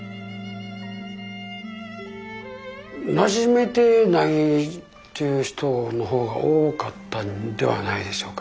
なじめてないっていう人の方が多かったんではないでしょうかね。